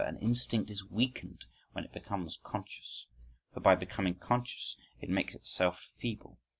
An instinct is weakened when it becomes conscious: for by becoming conscious it makes itself feeble.